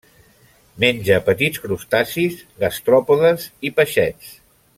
Menja petits crustacis, gastròpodes i peixets.